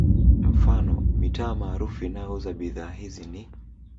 Mfano mitaa maarufu inayouza bidhaa hizi ni